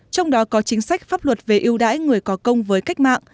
trong đó có chính sách pháp luật về ưu đãi người có công với cách mạng